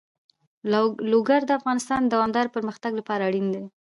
لوگر د افغانستان د دوامداره پرمختګ لپاره اړین دي.